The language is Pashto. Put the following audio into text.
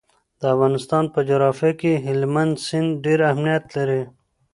د افغانستان په جغرافیه کې هلمند سیند ډېر اهمیت لري.